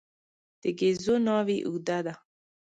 د ګېزو ناوې اوږده ده.